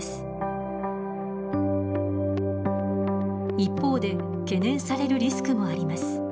一方で懸念されるリスクもあります。